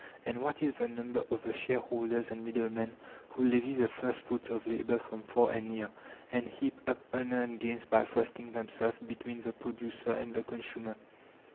And what is the number of the shareholders and middlemen who levy the first fruits of labour from far and near, and heap up unearned gains by thrusting themselves between the producer and the consumer?